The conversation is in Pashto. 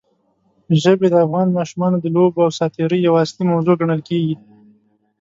ژبې د افغان ماشومانو د لوبو او ساتېرۍ یوه اصلي موضوع ګڼل کېږي.